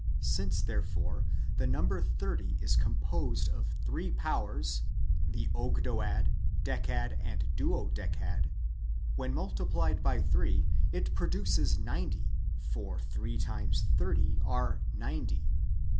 Since, therefore, the number thirty is composed of three powers [the Ogdoad, Decad, and Duodecad], when multiplied by three, it produces ninety, for three times thirty are ninety.